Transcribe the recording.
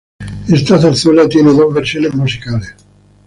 Esta zarzuela tiene dos versiones musicales.